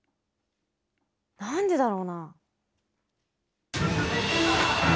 なんでだろうな？